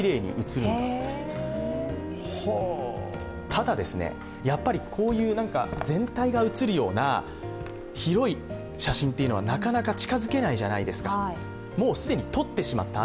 ただ、やはりこういう全体が写るような広い写真ははなかなか近づけないじゃないですか、既に撮ってしまった。